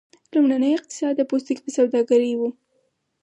لومړنی اقتصاد د پوستکي په سوداګرۍ و.